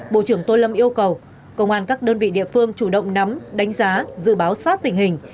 bộ trưởng tô lâm yêu cầu công an các đơn vị địa phương chủ động nắm đánh giá dự báo sát tình hình